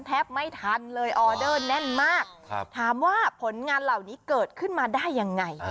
แทบไม่ทันเลยออเดอร์แน่นมากถามว่าผลงานเหล่านี้เกิดขึ้นมาได้ยังไง